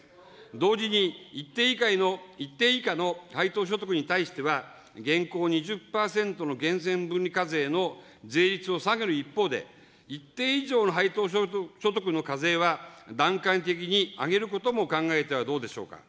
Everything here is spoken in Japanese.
同時に、一定以下の配当所得に関しては、現行２０％の源泉分離課税の税率を下げる一方で、一定以上の配当所得の課税は段階的に上げることも考えてはどうでしょうか。